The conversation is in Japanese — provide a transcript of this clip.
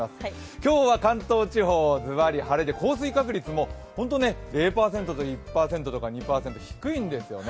今日は関東地方、ずばり晴れで降水確率も０％とか１％とか低いんですよね。